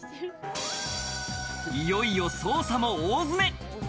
いよいよ捜査も大詰め。